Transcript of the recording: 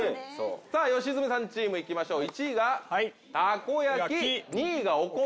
さぁ良純さんチーム行きましょう。